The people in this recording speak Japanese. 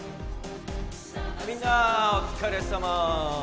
みんなお疲れさま！